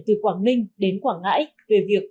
từ quảng ninh đến quảng ngãi về việc ứng phó về bão sao là